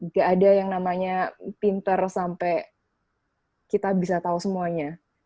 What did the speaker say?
gak ada yang namanya pinter sampai kita bisa tahu semuanya